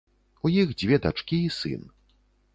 У іх дзве дачкі і сын.